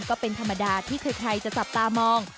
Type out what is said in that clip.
ก็เป็นธรรมดาที่ใครจะจับตามอง